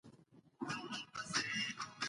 هغه تمرین چې موږ تېره اونۍ وکړه، ګټور و.